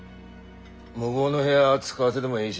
向ごうの部屋使わせでもいいし。